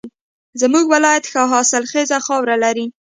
زمونږ ولایت ښه حاصلخیزه خاوره لري